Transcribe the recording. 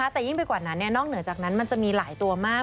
แต่ยิ่งไปกว่านั้นนอกเหนือจากนั้นมันจะมีหลายตัวมาก